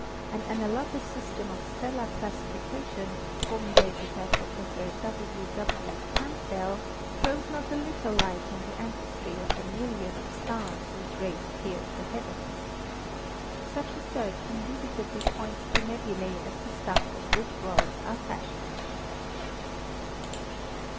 An analogous system of stellar classification, formulated by Prof. W. W. Campbell, throws not a little light on the ancestry of the myriad of stars whose rays pierce the heavens. Such a search indubitably points to nebulae as the stuff of which worlds are fashioned.